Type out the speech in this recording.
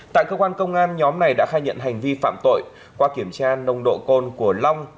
tại cơ quan công an nhóm này đã khai nhận hành vi phạm tội qua kiểm tra nồng độ cồn của long